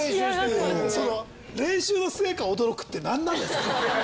その練習の成果驚くって何なんですか？